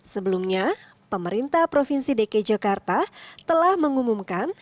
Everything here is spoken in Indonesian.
sebelumnya pemerintah provinsi dki jakarta telah mengumumkan